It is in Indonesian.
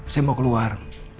saya mau keluar